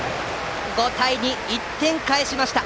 ５対２、１点を返しました。